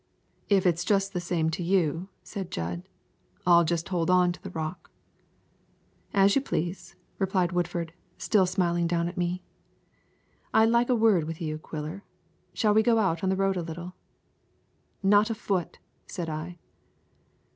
"If it's the same to you," said Jud, "I'll just hold on to the rock." "As you please," replied Woodford, still smiling down at me. "I'd like a word with you, Quiller. Shall we go out on the road a little?" "Not a foot," said I.